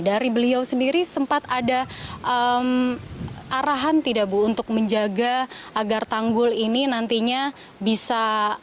dari beliau sendiri sempat ada arahan tidak bu untuk menjaga agar tanggul ini nantinya bisa